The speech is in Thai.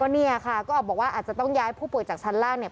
เนี่ยค่ะก็บอกว่าอาจจะต้องย้ายผู้ป่วยจากชั้นล่างเนี่ย